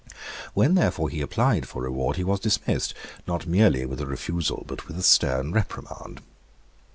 When therefore he applied for reward, he was dismissed, not merely with a refusal, but with a stern reprimand.